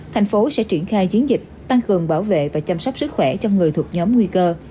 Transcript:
thành phố sẽ triển khai chiến dịch tăng cường bảo vệ và chăm sóc sức khỏe cho người thuộc nhóm nguy cơ